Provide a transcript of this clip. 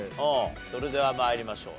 それでは参りましょう。